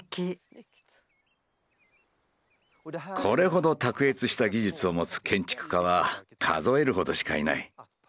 これほど卓越した技術を持つ建築家は数えるほどしかいない。